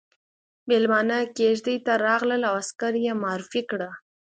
ميلمانه کېږدۍ ته راغلل او عسکره يې معرفي کړه.